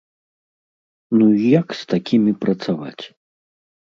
Ну і як з такімі працаваць?